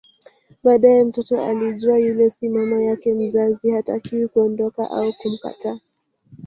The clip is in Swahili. Baadae mtoto akijua yule si mama yake mzazi hatakiwi kuondoka au kumkataa